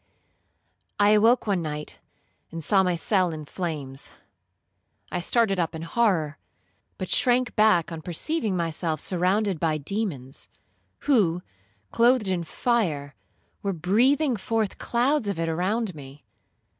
'I awoke one night, and saw my cell in flames; I started up in horror, but shrunk back on perceiving myself surrounded by demons, who, clothed in fire, were breathing forth clouds of it around me.